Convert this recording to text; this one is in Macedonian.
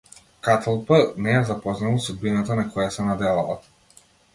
Каталпа не ја запознала судбината на која се надевала.